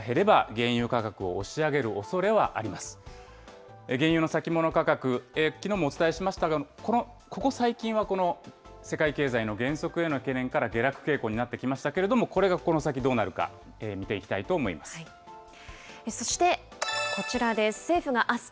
原油の先物価格、きのうもお伝えしましたが、ここ最近はこの世界経済の減速への懸念から下落傾向になってきましたけれども、これがこの先どうなるか、見ていきたそしてこちらです。